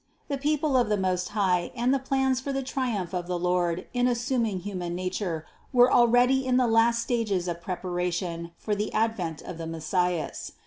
The people of the Most High and the plans for the triumph of the Lord in assuming human nature, were already in the last stages of prep aration for the advent of the Messias.